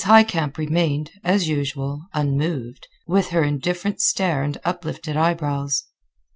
Highcamp remained, as usual, unmoved, with her indifferent stare and uplifted eyebrows.